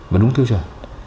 và đúng tiêu chuẩn